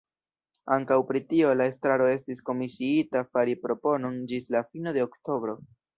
Ankaŭ pri tio la Estraro estis komisiita fari proponon ĝis la fino de oktobro.